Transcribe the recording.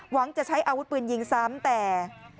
หวังจะใช้อาวุธปืนยิงซ้ำแต่